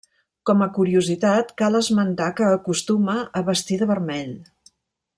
Com a curiositat cal esmentar que acostuma a vestir de vermell.